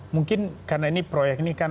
mungkin karena ini proyek ini kan